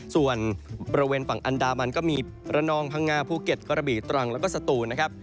ส่วนบริเวณฝั่งอันดามันก็มีระนองพังงาภูเก็ตกระบีตรังแล้วก็สตูนนะครับ